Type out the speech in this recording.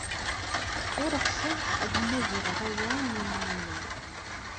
Ur ɣseɣ ad mmagreɣ aya i yiman-inu.